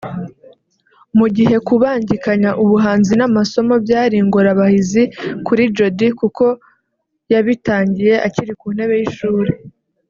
Mu gihe kubangikanya ubuhanzi n’amasomo byari ingorabahizi kuri Jody kuko yabitangiye akiri ku ntebe y’Ishuri